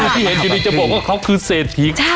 ที่เห็นจริงจะบอกว่าเขาคือเศษพีช